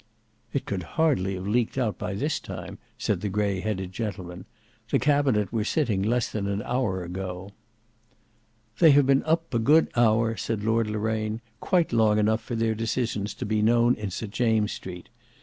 "It could hardly have leaked out by this time," said the grey headed gentleman. "The cabinet were sitting less than an hour ago." "They have been up a good hour," said Lord Loraine, "quite long enough for their decisions to be known in St James's Street.